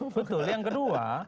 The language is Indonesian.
betul yang kedua